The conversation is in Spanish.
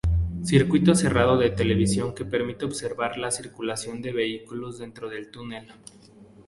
Circuito cerrado de televisión que permite observar la circulación de vehículos dentro del túnel.